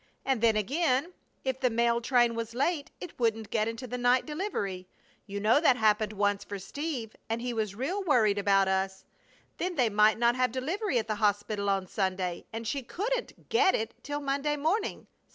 And then, again, if the mail train was late it wouldn't get into the night deliv'ry. You know that happened once for Steve and he was real worried about us! Then they might not have deliv'ry at the hospital on Sunday, and she couldn't get it till Monday morning!